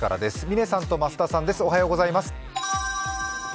嶺さんと増田さんです、おはようございます。